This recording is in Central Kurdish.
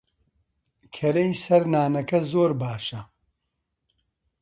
کەرەی سەر نانەکە زۆر باشە.